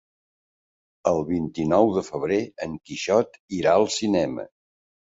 El vint-i-nou de febrer en Quixot irà al cinema.